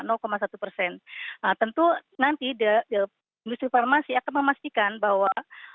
nah tentu nanti industri farmasi akan memastikan bahwa